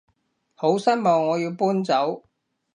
好失望我要搬走